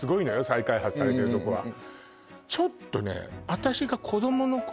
再開発されてるとこはちょっとね